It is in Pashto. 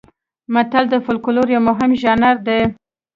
متل د فولکلور یو مهم ژانر دی